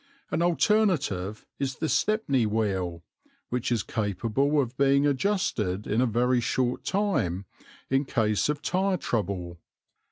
An alternative is the Stepney wheel, which is capable of being adjusted in a very short time in case of tire trouble.